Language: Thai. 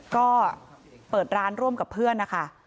ก็เปิดร้านร่วมกับเพื่อนนะคะ